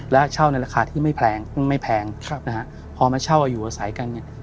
และเช่าในราคาที่ไม่แพงไม่แพงครับนะฮะพอมาเช่าอายุอาศัยกันเนี้ย